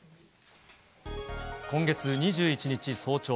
今月２１日早朝。